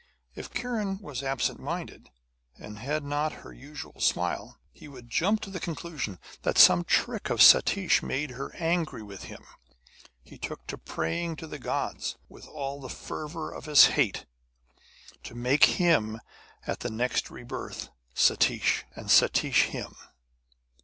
If Kiran was absent minded, and had not her usual smile, he would jump to the conclusion that some trick of Satish had made her angry with him. He took to praying to the gods, with all the fervour of his hate, to make him at the next rebirth Satish, and Satish him.